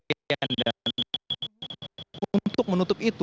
dan untuk menutup itu